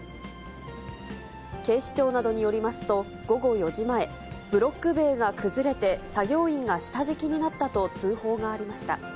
警視庁などによりますと、午後４時前、ブロック塀が崩れて、作業員が下敷きになったと通報がありました。